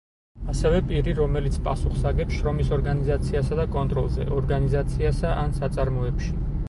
ასევე პირი, რომელიც პასუხს აგებს შრომის ორგანიზაციასა და კონტროლზე ორგანიზაციასა ან საწარმოებში.